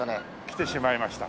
来てしまいました。